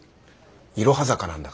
いろは坂なんだから。